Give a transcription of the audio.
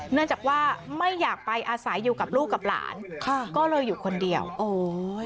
เนื่องจากว่าไม่อยากไปอาศัยอยู่กับลูกกับหลานค่ะก็เลยอยู่คนเดียวโอ้ย